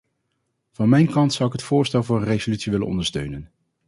Van mijn kant zou ik het voorstel voor een resolutie willen ondersteunen.